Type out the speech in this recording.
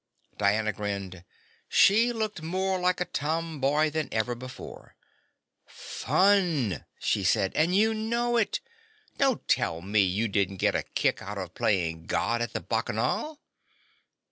Diana grinned. She looked more like a tomboy than ever before. "Fun," she said. "And you know it. Don't tell me you didn't get a kick out of playing God at the Bacchanal."